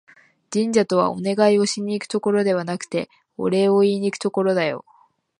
神社とは、お願いをしに行くところではなくて、お礼を言いにいくところだよ